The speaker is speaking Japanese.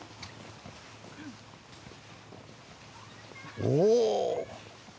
おお！